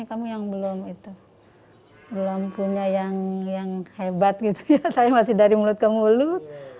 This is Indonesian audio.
kamu yang belum itu belum punya yang hebat gitu ya saya masih dari mulut ke mulut